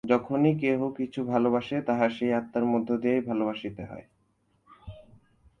যখনই কেহ কিছু ভালবাসে, তাহাকে সেই আত্মার মধ্য দিয়াই ভালবাসিতে হয়।